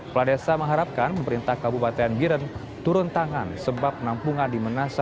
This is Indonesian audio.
peladesa mengharapkan pemerintah kabupaten biran turun tangan sebab penampungan di manasah